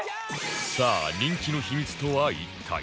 さあ人気の秘密とは一体？